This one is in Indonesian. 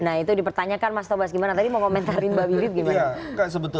nah itu dipertanyakan mas tobas gimana tadi mau komentarin mbak wiwi gimana